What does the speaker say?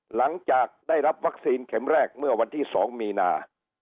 หลังจากได้รับวัคซีนเข็มแรกเมื่อวันที่๒มีนา